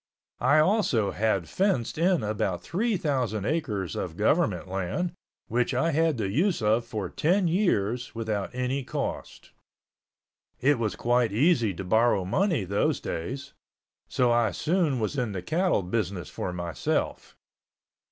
I also had fenced in about three thousand acres of government land, which I had the use of for ten years without any cost. It was quite easy to borrow money those days. So I soon was in the cattle business for myself.